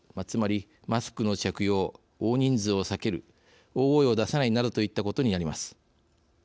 つまり、マスクの着用大人数を避ける、大声を出さないなどといったことになります。